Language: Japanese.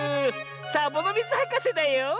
サボノミズはかせだよ！